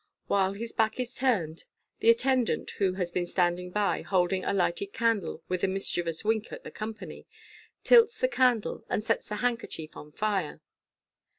While his back is turned, the attendant, who has been standing by holding a lighted candle, with a mischievous wink at the company, tilts the candle, and sets the handkerchief on fire.